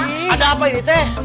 ada apa ini teh